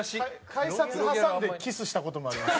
改札挟んでキスした事もあります。